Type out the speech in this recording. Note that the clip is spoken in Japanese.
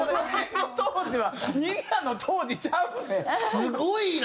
すごいな！